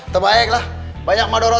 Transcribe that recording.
terima kasih banyak banyak nak